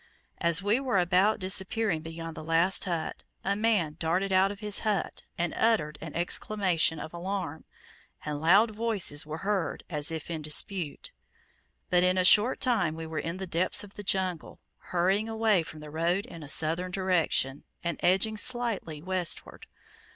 As we were about disappearing beyond the last hut, a man darted out of his hut, and uttered an exclamation of alarm, and loud voices were heard as if in dispute. But in a short time we were in the depths of the jungle, hurrying away from the road in a southern direction, and edging slightly westward.